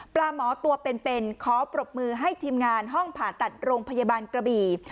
หมอตัวเป็นขอปรบมือให้ทีมงานห้องผ่าตัดโรงพยาบาลกระบี่